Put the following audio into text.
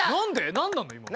何なの今の。